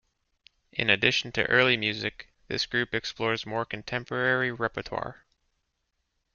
In addition to early music, this group explores more contemporary repertoire.